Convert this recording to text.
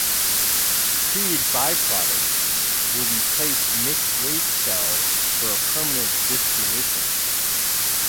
Treated byproduct will be placed mixed waste cell for a permanent disposition.